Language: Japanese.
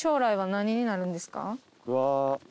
うわ。